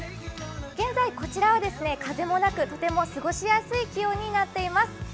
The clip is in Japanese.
現在こちらは風もなくとても過ごしやすい気温になっています。